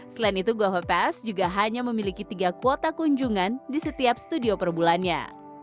selain itu goa pps juga hanya memiliki tiga kuota kunjungan di setiap studio perbulannya